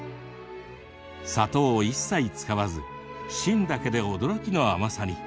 砂糖を一切使わず芯だけで驚きの甘さに。